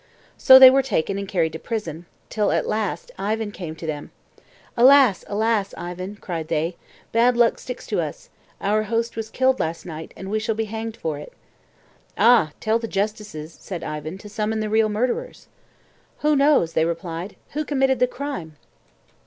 So they were taken and carried to prison, till a last Ivan came to them. "Alas! alas! Ivan," cried they, "bad luck sticks to us; our host was killed last night, and we shall be hanged for it." "Ah, tell the justices," said Ivan, "to summon the real murderers." "Who knows," they replied, "who committed the crime?"